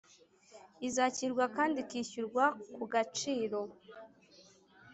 izakirwa kandi ikishyurwa ku gaciro